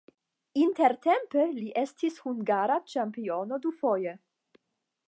Intertempe li estis hungara ĉampiono dufoje.